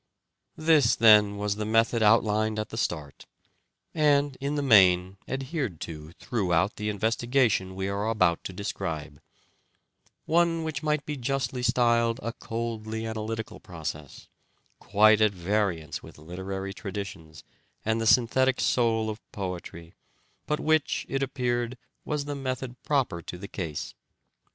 This, then, was the method outlined at the start, and, in the main, adhered to throughout the investiga tions we are about to describe : one which might be justly styled a coldly analytical process, quite at variance with literary traditions and the synthetic soul of poetry but which, it appeared, was the method proper to the case.